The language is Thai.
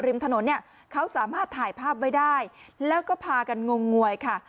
ริมถนนเนี่ยเขาสามารถถ่ายภาพไว้ได้แล้วก็พากันงงงวยค่ะ